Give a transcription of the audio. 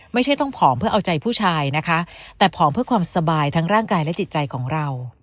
ไม่ใช่ต้องผอมเพื่อเอาใจผู้ชายนะคะแต่ผอมเพื่อความสบายทั้งร่างกายและจิตใจของเรา